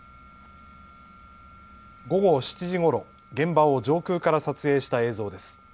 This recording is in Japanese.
午後７時ごろ現場を上空から撮影した映像です。